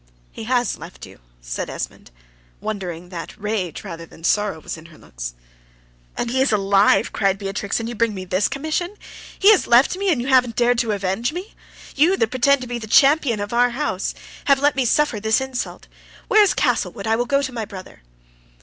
"He has left you," says Esmond, wondering that rage rather than sorrow was in her looks. "And he is alive," cried Beatrix, "and you bring me this commission! He has left me, and you haven't dared to avenge me! You, that pretend to be the champion of our house, have let me suffer this insult! Where is Castlewood? I will go to my brother."